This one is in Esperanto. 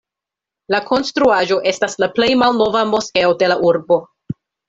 La konstruaĵo estas la plej malnova moskeo de la urbo.